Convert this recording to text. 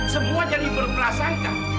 semua jadi berpelasangka